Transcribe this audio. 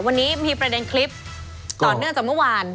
วันนี้มีประเด็นคลิปต่อเนื่องจากเมื่อวาน